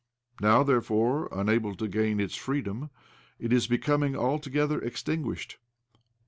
Now, therefore, unable to gain its freedom, it is becoming altogether extinguished.